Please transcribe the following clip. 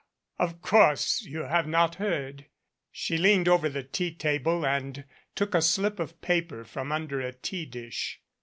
Of course you have not heard." She leaned over the tea table and took a slip of paper from under a tea dish.